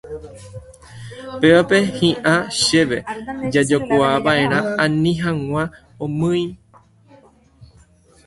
Pévape hi'ã chéve jajokuava'erã ani hag̃ua omýi.